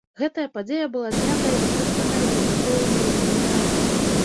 Гэтая падзея была знятая і выкарыстаная для прасоўваньня ў кінатэатрах.